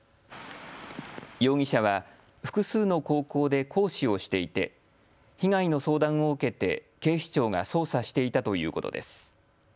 容疑者は複数の高校で講師をしていて被害の相談を受けて警視庁が捜査していたということです。